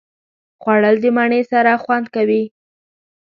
خوړل د مڼې سره خوند کوي